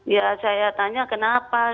ya saya tanya kenapa